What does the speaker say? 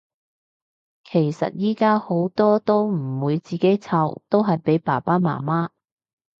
其實依家好多都唔會自己湊，都係俾爸爸媽媽